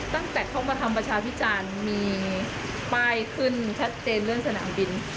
ตั้งแต่เข้ามาทำประชาพิจารณ์มีป้ายขึ้นชัดเจนเรื่องสนามบิน